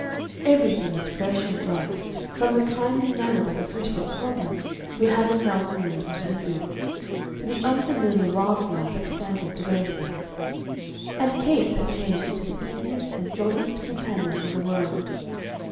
Everything was fresh and bright, from the kindly manners of the Frutigen cobbler, who hammered mountain nails into her boots, to the unfamiliar wild flowers that spangled the wayside. And Capes had changed into the easiest and jolliest companion in the world.